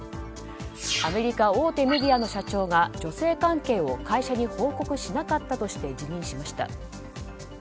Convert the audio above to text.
アメリカ大手メディアの社長が女性関係を会社に報告しなかったとして辞任しました。